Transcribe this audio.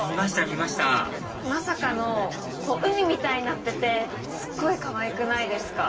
見ましたまさかの海みたいになっててすっごいかわいくないですか？